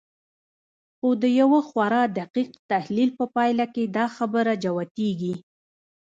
خو د يوه خورا دقيق تحليل په پايله کې دا خبره جوتېږي.